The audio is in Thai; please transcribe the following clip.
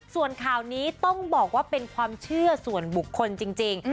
ส่วนข่าวนี้ต้องบอกว่าเป็นความเชื่อส่วนบุคคลจริง